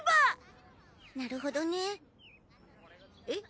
なるほどね。えっ？